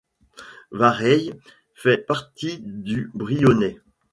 Vareilles fait partie du Brionnais.